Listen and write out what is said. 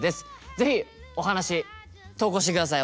是非お話投稿してください。